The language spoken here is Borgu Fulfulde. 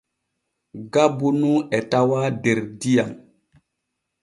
Gabbu nu e tawaa der diyam.